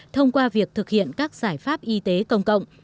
thông qua việc thực hiện các giải pháp y tế công cộng